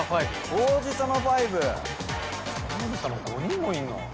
王子様５人もいんの？